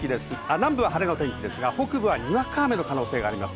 南部は晴れの天気ですが北部はにわか雨の可能性があります。